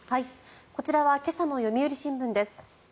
こちらは今朝の読売新聞です。